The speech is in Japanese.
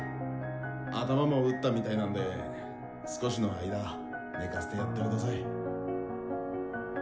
頭も打ったみたいなんで少しの間寝かせてやってください。